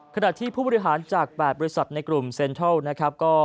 ขณะที่ผู้บริหารจากแปดบริษัทในกลุ่มเซ็นเทิล